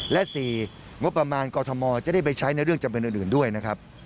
และ๔งบประมาณกรทมจะได้ไปใช้ในเรื่องจำเป็นอื่นด้วยนะครับ